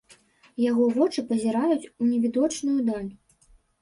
Яго вочы пазіраюць у невідочную даль.